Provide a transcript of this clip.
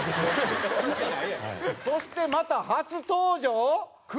そしてまた初登場？